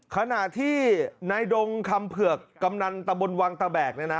ขณะที่นายดงคำเผือกกำนันตะบนวังตะแบกเนี่ยนะ